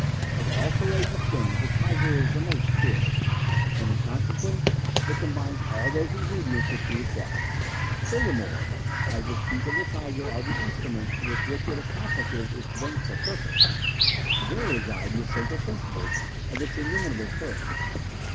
Of all courageous things the tiger is the most fearless, and in consequence it combines all those ingredients which you require; furthermore, as the teeth of the tiger are the instruments with which it accomplishes its vengeful purpose, there reside the essential principles of its inimitable courage.